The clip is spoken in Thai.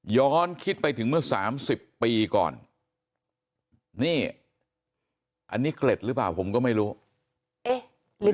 ย้อนคิดไปถึงเมื่อ๓๐ปีก่อนนี่อันนี้เกล็ดหรือเปล่าผมก็ไม่รู้